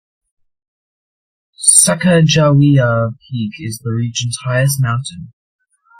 Sacajawea Peak is the region's highest mountain.